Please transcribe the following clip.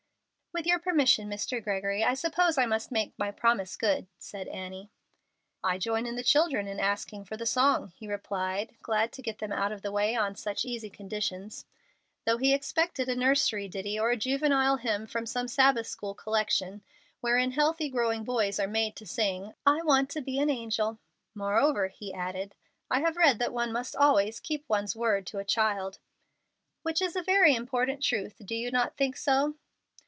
"With your permission, Mr. Gregory, I suppose I must make my promise good," said Annie. "I join the children in asking for the song," he replied, glad to get them out of the way on such easy conditions, though he expected a nursery ditty or a juvenile hymn from some Sabbath school collection, wherein healthy, growing boys are made to sing, "I want to be an angel." "Moreover," he added, "I have read that one must always keep one's word to a child." "Which is a very important truth: do you not think so?"